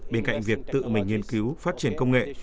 bên cạnh việc tự mình nghiên cứu phát triển công nghệ